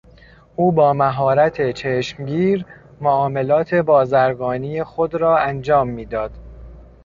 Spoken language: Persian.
او با مهارت چشمگیر معاملات بازرگانی خود را انجام میداد.